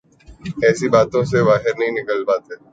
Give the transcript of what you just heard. ایسی باتوں سے باہر وہ نکل نہیں پاتے۔